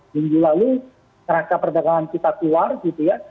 minggu lalu raca perdagangan kita keluar gitu ya